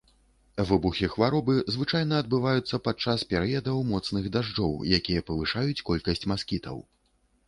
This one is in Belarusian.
Выбухі хваробы звычайна адбываюцца падчас перыядаў моцных дажджоў, якія павышаюць колькасць маскітаў.